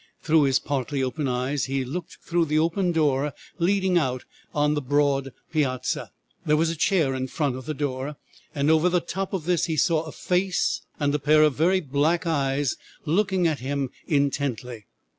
Through his partly open eyes he looked through the open door leading out on the broad piazza. There was a chair in front of the door, and over the top of this he saw a face and a pair of very black eyes looking at him intently.